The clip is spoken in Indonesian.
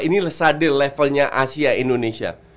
ini sadil levelnya asia indonesia